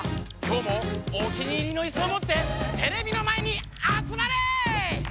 今日もお気に入りのイスをもってテレビの前にあつまれ！